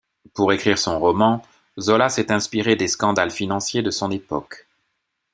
Pour écrire son roman, Zola s’est inspiré des scandales financiers de son époque.